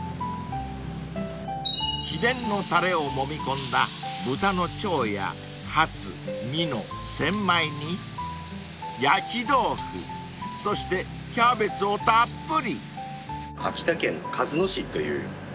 ［秘伝のたれをもみ込んだ豚の腸やハツミノセンマイに焼き豆腐そしてキャベツをたっぷり］